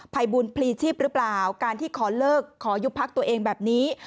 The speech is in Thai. ภัยบุญพลีชีพหรือเปล่าการที่ขอเลิกขอยุบพักตัวเองแบบนี้